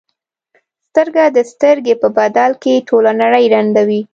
سترګه د سترګې په بدل کې ټوله نړۍ ړندوي.